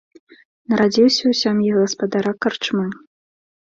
Нарадзіўся ў сям'і гаспадара карчмы.